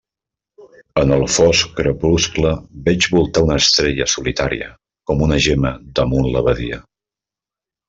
En el fosc crepuscle, veig voltar una estrella solitària, com una gemma damunt la badia.